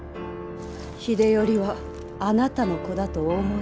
秀頼はあなたの子だとお思い？